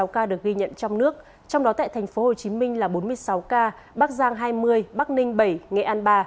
sáu ca được ghi nhận trong nước trong đó tại tp hcm là bốn mươi sáu ca bắc giang hai mươi bắc ninh bảy nghệ an ba